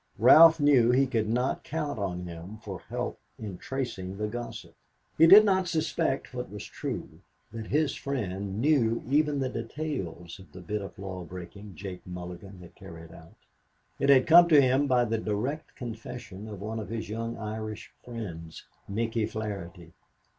Ralph knew he could not count on him for help in tracing the gossip. He did not suspect what was true, that his friend knew even the details of the bit of law breaking Jake Mulligan had carried out. It had come to him by the direct confession of one of his young Irish friends, Micky Flaherty.